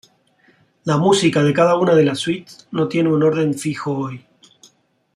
La música de cada una de las "suites" no tiene un orden fijo hoy.